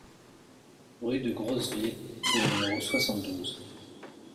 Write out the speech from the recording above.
Rue de Grosville au numéro soixante-douze